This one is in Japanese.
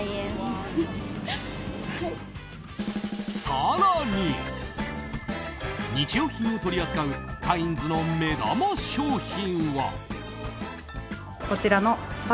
更に、日用品を取り扱うカインズの目玉商品は。